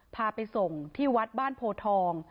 พาไปส่งที่วัดบ้านโพทอง